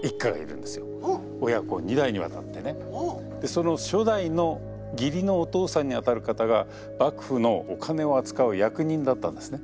その初代の義理のお父さんにあたる方が幕府のお金を扱う役人だったんですね。